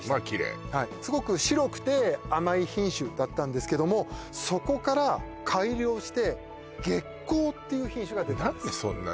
きれいはいすごく白くて甘い品種だったんですけどもそこから改良して月光っていう品種が出たんです